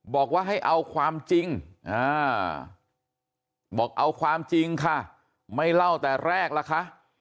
บอกว่าให้เอาความจริงบอกเอาความจริงค่ะไม่เล่าแต่แรกล่ะคะ